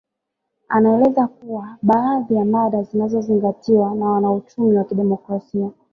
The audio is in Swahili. Anaeleza kuwa baadhi ya mada zinazozingatiwa na wanauchumi wa kiheterodoksi